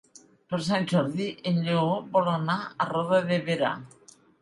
Per Sant Jordi en Lleó vol anar a Roda de Berà.